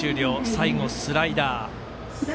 最後、スライダー。